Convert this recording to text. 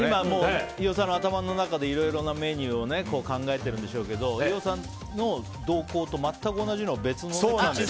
飯尾さんの頭の中でいろいろメニューを考えているでしょうけど飯尾さんの動向と全く同じのを別のところで。